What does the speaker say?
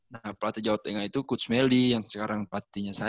nah pelatih jawa tengah itu kudsmeli yang sekarang pelatihnya itu